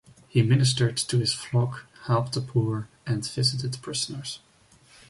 He ministered to his flock, helped the poor and visited prisoners.